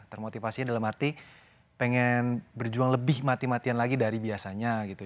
termotivasinya dalam arti pengen berjuang lebih mati matian lagi dari biasanya gitu